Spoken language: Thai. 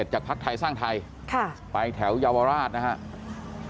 จากภักดิ์ไทยสร้างไทยไปแถวเยาวราชนะครับ